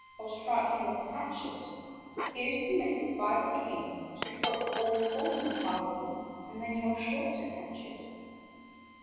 Or strike him with a hatchet, He is permitted by the King To drop all formal parleying— And then you're sure to catch it!